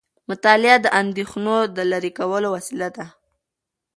مطالعه د اندیښنو د لرې کولو وسیله ده.